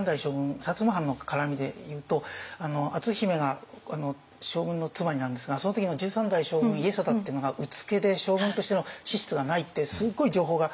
摩藩の絡みでいうと篤姫が将軍の妻になるんですがその時の十三代将軍家定っていうのがうつけで将軍としての資質がないってすごい情報が流れるんですね。